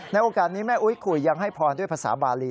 โอกาสนี้แม่อุ๊ยคุยยังให้พรด้วยภาษาบาลี